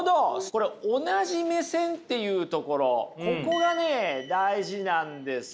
これ同じ目線っていうところここがね大事なんですよね。